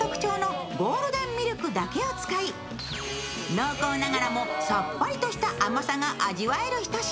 濃厚ながらもさっぱりとした甘さが味わえるひと品。